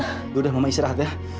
dulu udah mama istirahat ya